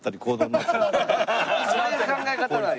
そういう考え方なんや。